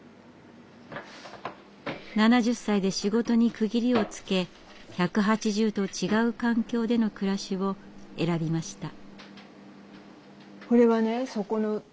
７０歳で仕事に区切りをつけ１８０度違う環境での暮らしを選びました。